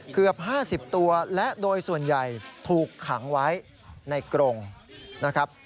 เกือบ๕๐ตัวและโดยส่วนใหญ่ถูกขังไว้ในกรงนะครับ